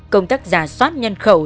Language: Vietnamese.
công tác giả soát nhân khẩu